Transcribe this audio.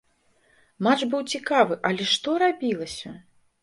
Матч быў цікавы, але што рабілася!